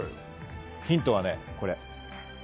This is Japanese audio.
ヒントはこれ。